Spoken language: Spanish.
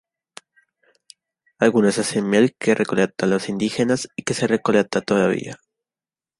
Algunas hacen miel que recolectan los indígenas y que se recolecta todavía.